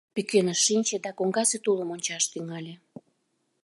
Пӱкеныш шинче да коҥгасе тулым ончаш тӱҥале.